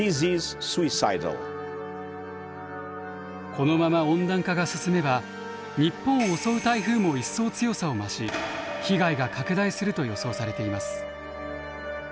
このまま温暖化が進めば日本を襲う台風も一層強さを増し被害が拡大すると予想されています。